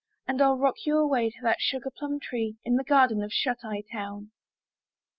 And ril rock you away to that Sugar Plum Tree, In the garden of Shut Eye Town.